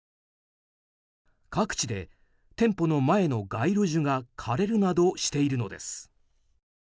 各地で店舗の前の街路樹が枯れるなどしているのです。